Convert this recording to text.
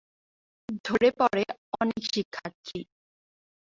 ঝড়ে পড়ে অনেক শিক্ষার্থী।